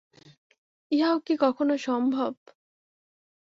ইহাও কি কখনো সম্ভব।